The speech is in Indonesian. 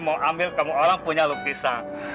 mau ambil kamu orang punya lukisan